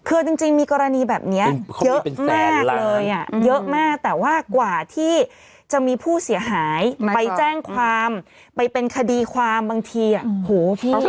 คือจริงมีกรณีแบบนี้เยอะมากเลยอ่ะเยอะมากแต่ว่ากว่าที่จะมีผู้เสียหายไปแจ้งความไปเป็นคดีความบางทีอ่ะโหพี่